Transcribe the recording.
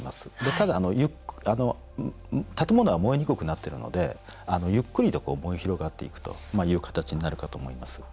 ただ、建物は燃えにくくなっているのでゆっくりと燃え広がっていくという形になるかと思います。